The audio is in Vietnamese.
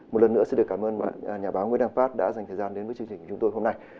một lần nữa xin được cảm ơn nhà báo nguyễn đăng phát đã dành thời gian đến với chương trình của chúng tôi hôm nay